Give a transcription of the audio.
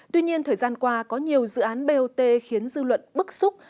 tuy nhiên thời gian qua có nhiều dự án bot khiến dư luận bức xúc